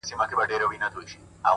د نورو بریا الهام کېدای شي،